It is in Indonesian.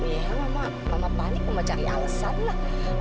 iya mama mama panik mama cari alesan lah